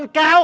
di depan kau